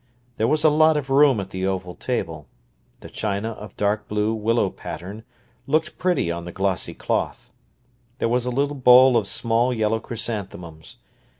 There was a lot of room at the oval table; the china of dark blue willow pattern looked pretty on the glossy cloth. There was a little bowl of small, yellow chrysanthemums.